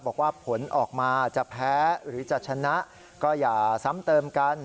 บอกว่าผลออกมาจะแพ้หรือจะชนะก็อย่าซ้ำเติมกัน